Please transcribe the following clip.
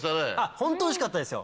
ホントおいしかったですよ。